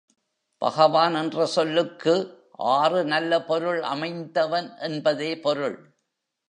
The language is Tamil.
பகவான் என்னும் சொல்லுக்கு ஆறு நல்ல பொருள் அமைந்தவன் என்பதே பொருள்.